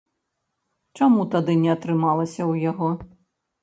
Чаму тады не атрымалася ў яго?